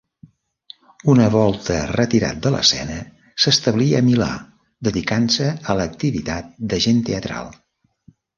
Una volta retirat de l'escena s'establí a Milà, dedicant-se a l'activitat d'agent teatral.